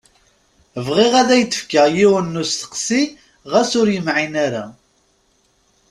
Bɣiɣ ad ak-d-fkeɣ yiwen n usteqsi ɣas ur yemɛin ara.